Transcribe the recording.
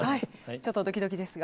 ちょっとドキドキですが。